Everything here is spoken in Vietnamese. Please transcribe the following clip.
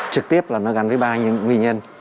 trực tiếp là nó gắn với ba nguyên nhân